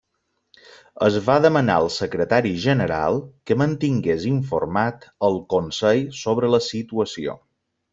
Es va demanar al Secretari General que mantingués informat al Consell sobre la situació.